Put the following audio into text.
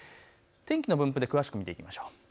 天気の分布で詳しく見ましょう。